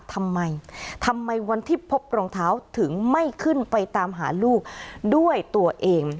ทำไมทำไมวันที่พบรองเท้าถึงไม่ขึ้นไปตามหาลูกด้วยตัวเอง